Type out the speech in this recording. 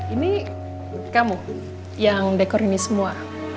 ini kamu yang dekor ini semua